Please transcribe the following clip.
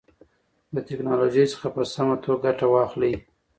د تکنالوژۍ څخه په سمه توګه ګټه واخلئ.